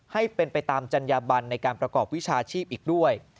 ให้เป็นไปตามจัญญาบันในการประกอบวิชาชีพอีกด้วย